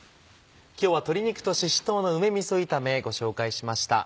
今日は「鶏肉としし唐の梅みそ炒め」ご紹介しました。